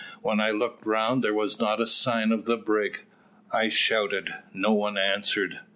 When I looked round there was not a sign of a brig. I shouted, no one answered.